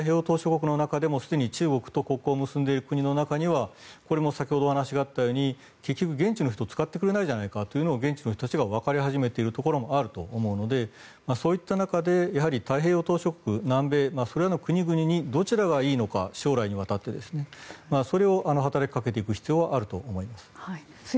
国の中でもすでに中国と国交を結んでいる国の中ではこれも先ほどお話があったように結局現地の人を使ってくれないじゃないかというのを現地の人がわかり始めているところもあると思うのでそういった中で太平洋島しょ国それから南米、それらの国々に将来にわたってどちらがいいのかそれを働きかけていく必要はあると思います。